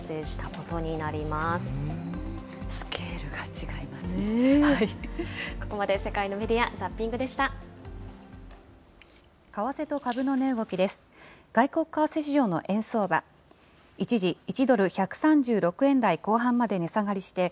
ここまで、世界のメディア・ザッピングでした。